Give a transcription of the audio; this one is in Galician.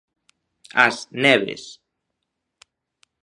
As Neves.